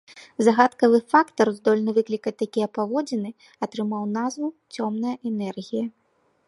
Загадкавы фактар, здольны выклікаць такія паводзіны, атрымаў назву цёмная энергія.